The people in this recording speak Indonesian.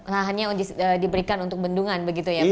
lahannya diberikan untuk bendungan begitu ya pak